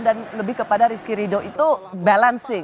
dan lebih kepada rizky ridho itu balancing